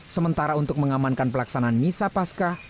sementara untuk mengamankan pelaksanaan misa paskah